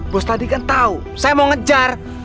boss tadi kan tau saya mau ngejar